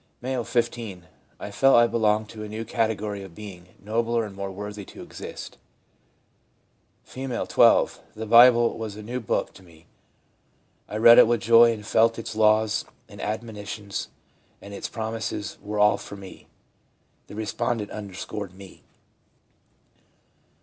M., 1 5. ' I felt I belonged to a new category of being, nobler and more worthy to exist/ R, 12. ' The Bible was a new book to me. I read it with joy, and felt its laws, its admoni tions and its promises were all for me.' (The respondent underscored 'me.')